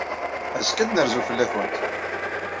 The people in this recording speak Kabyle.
Azekka ad n-rzuɣ fell-awent.